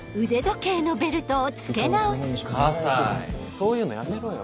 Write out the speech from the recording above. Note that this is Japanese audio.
そういうのやめろよ。